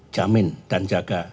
jamin dan jaga